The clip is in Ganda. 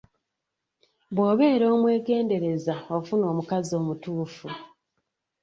Bwobeera omwegendereza ofuna omukazi omutuufu.